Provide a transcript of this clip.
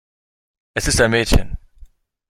Es ist ein Mädchen.